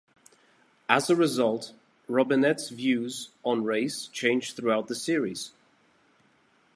As a result, Robinette's views on race change throughout the series.